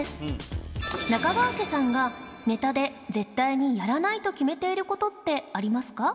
中川家さんがネタで絶対にやらないと決めている事ってありますか？